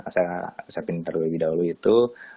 saya pinter lebih dahulu itu